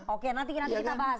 oke nanti kita bahas